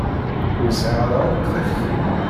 Ur sɛiɣ ara akk takti.